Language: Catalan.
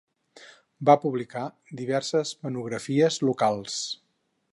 Va publicar diverses monografies locals.